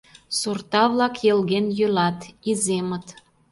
Сорта-влак йылген йӱлат, иземыт.